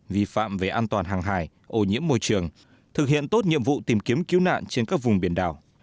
vi phạm về an toàn hàng hài nhiễm môi trường thực hiện tốt nhiệm vụ tìm kiếm cứu nạn trên các vùng biển đảo